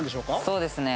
そうですね。